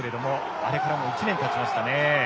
あれからもう１年たちました。